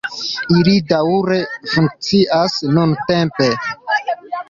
Ili daŭre funkcias nuntempe.